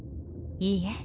いいえ。